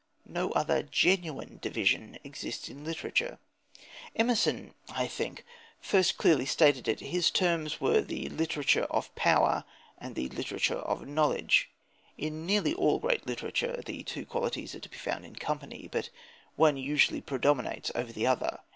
No other genuine division exists in literature. Emerson, I think, first clearly stated it. His terms were the literature of "power" and the literature of "knowledge." In nearly all great literature the two qualities are to be found in company, but one usually predominates over the other.